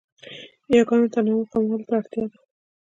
یاګانو تنوع کمولو ته اړتیا ده.